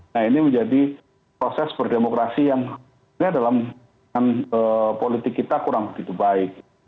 nah ini menjadi proses berdemokrasi yang dalam politik kita kurang begitu baik